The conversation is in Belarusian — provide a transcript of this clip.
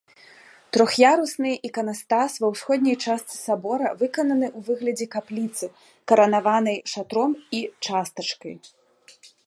Трох'ярусны іканастас ва ўсходняй частцы сабора выкананы ў выглядзе капліцы, каранаванай шатром і частачкай.